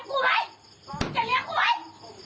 ใช่ให้เขาส่งไปซะเนี้ยแต่เขาไม่ส่ง